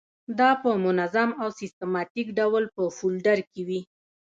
دا په منظم او سیستماتیک ډول په فولډر کې وي.